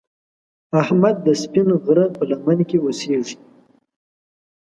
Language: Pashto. احمد د سپین غر په لمنه کې اوسږي.